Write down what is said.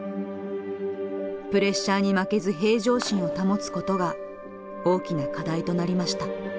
プレッシャーに負けず平常心を保つことが大きな課題となりました。